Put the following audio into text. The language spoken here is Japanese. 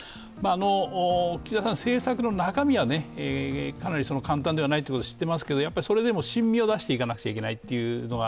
岸田さん、政策の中身はかなり簡単ではないことを知っていますがそれでも新味を出していかなければいけない。